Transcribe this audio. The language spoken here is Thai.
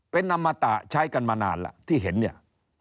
เป็นอมตะใช้กันมานานแล้วที่เห็นเนี่ย